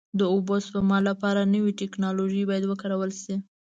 د اوبو سپما لپاره نوې ټکنالوژۍ باید وکارول شي.